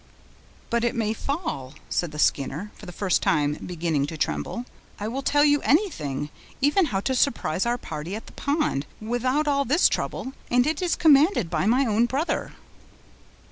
"But it may fall," said the Skinner, for the first time beginning to tremble. "I will tell you anything—even how to surprise our party at the Pond, without all this trouble, and it is commanded by my own brother."